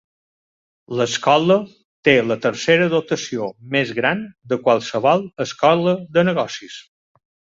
L'escola té la tercera dotació més gran de qualsevol escola de negocis.